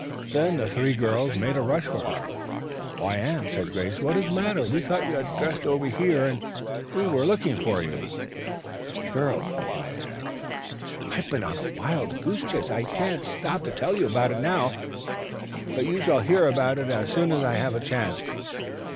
The three girls made a rush for her. "Why, Anne," said Grace. "What is the matter? We thought you had dressed over here and were looking for you." "Girls," replied Anne, "I've been on a wild goose chase. I can't stop to tell you about it now, but you shall hear as soon as I have a chance.